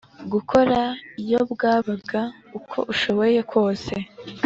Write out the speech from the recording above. gukora iyo bwabaga, uko ushoboye kose